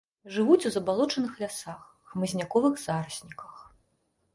Жывуць у забалочаных лясах, хмызняковых зарасніках.